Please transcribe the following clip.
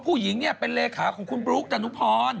ผู้หญิงเนี่ยเป็นเลขาของคุณบลุ๊กดานุพร